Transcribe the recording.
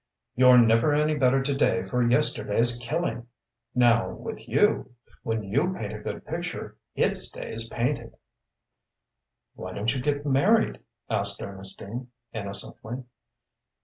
You're never any better to day for yesterday's killing. Now with you when you paint a good picture, it stays painted." "Why don't you get married?" asked Ernestine, innocently.